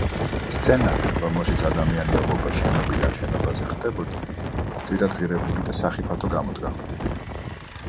სცენა, რომელშიც ადამიანი ობობა შენობიდან შენობაზე ხტებოდა, ძვირადღირებული და სახიფათო გამოდგა.